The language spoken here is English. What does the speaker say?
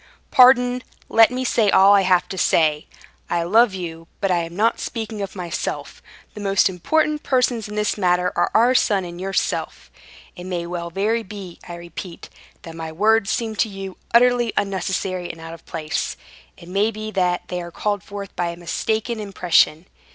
"Pardon, let me say all I have to say. I love you. But I am not speaking of myself; the most important persons in this matter are our son and yourself. It may very well be, I repeat, that my words seem to you utterly unnecessary and out of place; it may be that they are called forth by my mistaken impression.